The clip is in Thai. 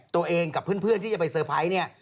ตัวเองกับเพื่อนที่จะไปเซอร์ไพรส์เนี่ย